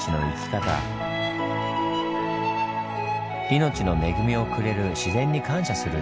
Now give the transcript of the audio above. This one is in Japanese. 命の恵みをくれる自然に感謝する。